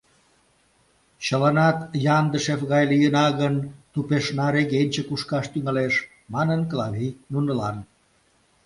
— Чыланат Яндышев гай лийына гын, тупешна регенче кушкаш тӱҥалеш, — манын Клавий нунылан.